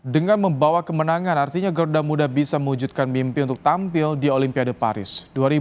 dengan membawa kemenangan artinya garuda muda bisa mewujudkan mimpi untuk tampil di olimpiade paris dua ribu dua puluh